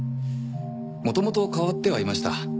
元々変わってはいました。